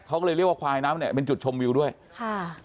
เขาก็เลยเรียกว่าควายน้ำเนี่ยเป็นจุดชมวิวด้วยค่ะ